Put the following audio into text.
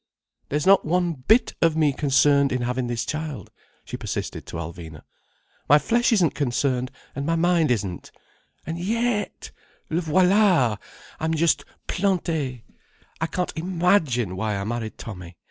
"There's not one bit of me concerned in having this child," she persisted to Alvina. "My flesh isn't concerned, and my mind isn't. And yet!—le voilà!—I'm just planté. I can't imagine why I married Tommy.